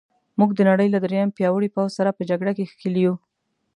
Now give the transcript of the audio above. موږ د نړۍ له درېیم پیاوړي پوځ سره په جګړه کې ښکېل یو.